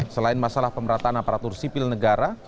selain masalah pemerataan aparatur sipil negara